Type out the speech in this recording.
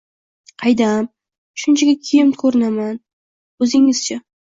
“Qaydam. Shunchaki kiygan ko’rinaman. O’zingiz-chi?”